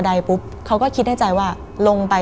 มันกลายเป็นรูปของคนที่กำลังขโมยคิ้วแล้วก็ร้องไห้อยู่